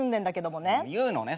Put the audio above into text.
言うのね